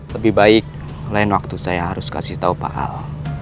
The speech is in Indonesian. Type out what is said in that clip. lebih baik lain waktu saya harus kasih tahu pak al